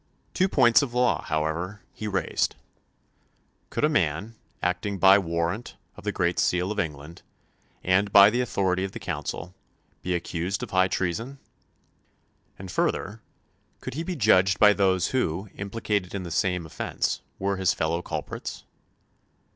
Two points of law, however, he raised: Could a man, acting by warrant of the great seal of England, and by the authority of the Council, be accused of high treason? And further, could he be judged by those who, implicated in the same offence, were his fellow culprits?